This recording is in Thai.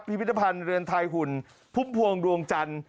พิพิธภัณฑ์เรือนไทยหุ่นพุ่มพวงดวงจันทร์